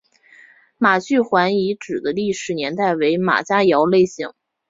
马聚垣遗址的历史年代为马家窑类型。